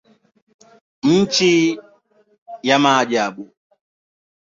Nchi ya maajabu.